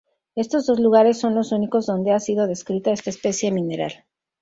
Estos dos lugares son los únicos donde ha sido descrita esta especie mineral.